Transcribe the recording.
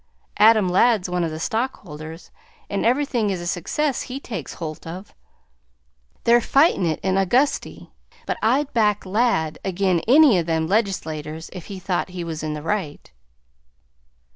Adam Ladd 's one of the stockholders, and everything is a success he takes holt of. They're fightin' it in Augusty, but I'd back Ladd agin any o' them legislaters if he thought he was in the right."